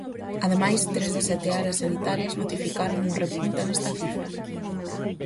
Ademais, tres das sete áreas sanitarias notificaron unha repunta nesta cifra.